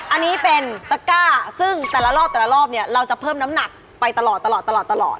อันนี้เป็นตะกร้าซึ่งแต่ละรอบเราจะเพิ่มน้ำหนักไปตลอด